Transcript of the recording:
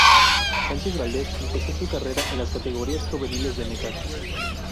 Sánchez Valdez empezó su carrera en las categorías juveniles del Necaxa.